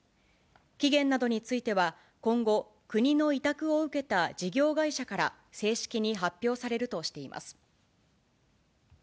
期限などについては今後、国の委託を受けた事業会社から正式に発表されるとしています。